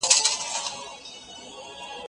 کېدای سي سندري ټيټه وي،